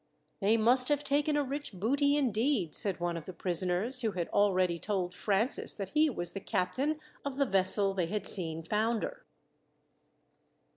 "They must have taken a rich booty, indeed," said one of the prisoners, who had already told Francis that he was the captain of the vessel they had seen founder.